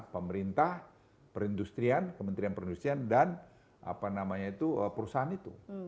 pemerintah perindustrian kementerian kementerian dan apa namanya itu perusahaan itu